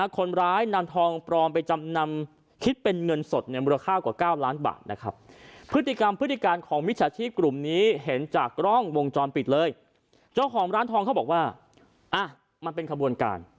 คนร้ายนำทองปลอมไปจำนำคิดเป็นเงินสดมูลค่ากว่า๙ล้านบาท